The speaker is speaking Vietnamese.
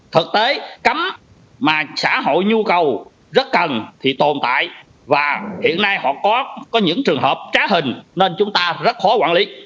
thực tế cấm mà xã hội nhu cầu rất cần thì tồn tại và hiện nay họ có những trường hợp trá hình nên chúng ta rất khó quản lý